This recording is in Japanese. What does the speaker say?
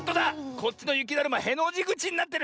こっちのゆきだるまへのじぐちになってる！